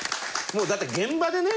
もうだって現場でね